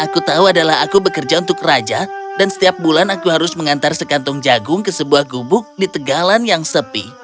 aku tahu adalah aku bekerja untuk raja dan setiap bulan aku harus mengantar sekantung jagung ke sebuah gubuk di tegalan yang sepi